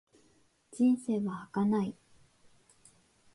人生は儚い。